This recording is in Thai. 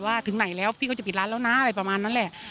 ถึงไหนแล้วพี่ก็จะปิดร้านแล้วนะอะไรประมาณนั้นแหละ